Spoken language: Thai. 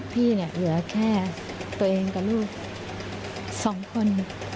พี่เหลือแค่ตัวเองกับลูกสองคน